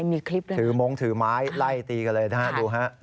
มีคลิปด้วยครับดูฮะถือมงค์ถือไม้ไล่ตีกันเลย